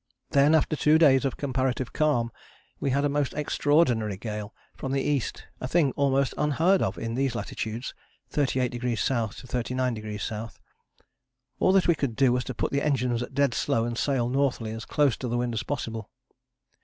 Then after two days of comparative calm we had a most extraordinary gale from the east, a thing almost unheard of in these latitudes (38° S. to 39° S.). All that we could do was to put the engines at dead slow and sail northerly as close to the wind as possible.